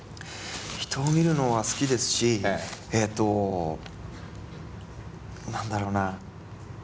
人を見るのは好きですしええと何だろうな？